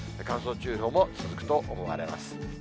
乾燥注意報も続くと思われます。